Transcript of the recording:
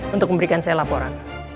untuk memberikan saya laporan